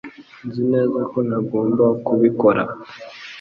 Nzi neza ko ntagomba kubikora